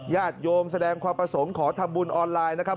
ญาติโยมแสดงความประสงค์ขอทำบุญออนไลน์นะครับ